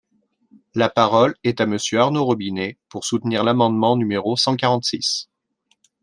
La parole est à Monsieur Arnaud Robinet, pour soutenir l’amendement numéro cent quarante-six.